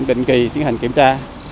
định kỳ tiến hành kiểm tra